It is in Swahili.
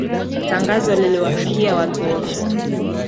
Tangazo liliwafikia watu wote